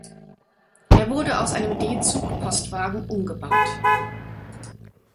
Er wurde aus einem D-Zug Postwagen umgebaut.